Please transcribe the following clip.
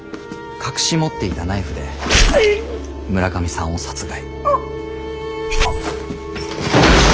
隠し持っていたナイフで村上さんを殺害。